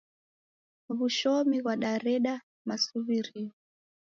Wushomi ghwadareda masuw'irio